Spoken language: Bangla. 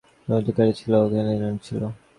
চুলটা তো কেটেইছিস, ঐটেই বাকি ছিল।